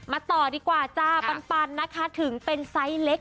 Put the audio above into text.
ต่อดีกว่าจ้าปันนะคะถึงเป็นไซส์เล็ก